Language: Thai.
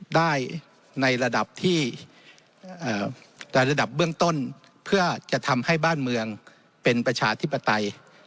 ได้ในระดับที่แต่ระดับเบื้องต้นเพื่อจะทำให้บ้านเมืองเป็นประชาธิปไตย